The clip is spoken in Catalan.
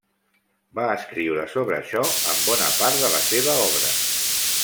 Va escriure sobre això en bona part de la seva obra.